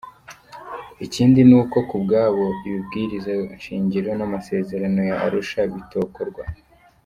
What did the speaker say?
Ikindi nuko kubwabo ibwirizwa nshingiro n'amasezerano ya Arusha bitokorwako.